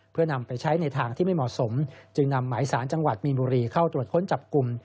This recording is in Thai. เพื่อนำไปใช้ในทางที่ไม่เหมาะสมจึงนำหมายสารจังหวัดมีนบุรีเข้าตรวจค้นจับกลุ่ม